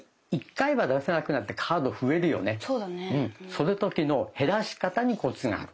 その時の減らし方にコツがある。